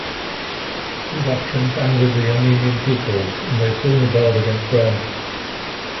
These actions angered the Armenian peoples and they soon rebelled against Rome.